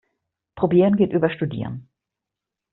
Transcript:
Probieren geht über Studieren.